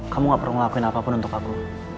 kamu gak perlu ngelakuin apapun untuk aku